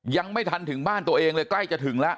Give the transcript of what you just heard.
ยังไม่ทันถึงบ้านตัวเองเลยใกล้จะถึงแล้ว